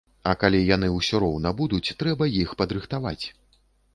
А калі яны ўсё роўна будуць, трэба іх падрыхтаваць.